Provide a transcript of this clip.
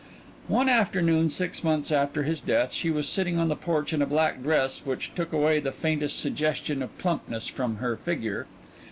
One afternoon six months after his death she was sitting on the porch, in a black dress which took away the faintest suggestion of plumpness from her figure.